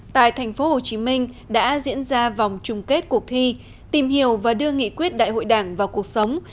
tại tp hcm đã diễn ra vòng chung kết cuộc thi tìm hiểu và đưa nghị quyết đại hội đảng vào cuộc sống